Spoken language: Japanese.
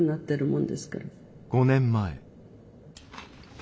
ん？